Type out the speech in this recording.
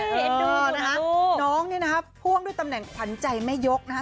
เห็นดูนะฮะน้องนี่นะฮะพ่วงด้วยตำแหน่งขวัญใจไม่ยกนะฮะ